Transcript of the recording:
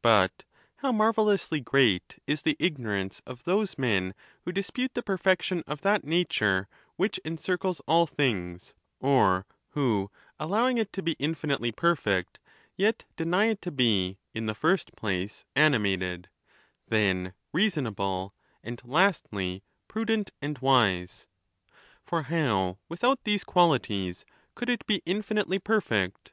But how marvellously great is the ig norance of those men who dispute the perfection of that nature which encircles all things ; or who, allowing it to be infinitely perfect, yet deny it to be, in the first place, animated, then reasonable, and, lastly, prudent and wise 1 For how without these qualities could it be infinitely per fect?